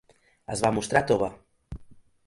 Es va mostrar tova.